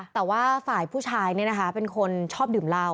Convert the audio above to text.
แต่ว่าฝ่ายผู้ชายเนี่ยนะคะเป็นคนชอบดื่มเหล้า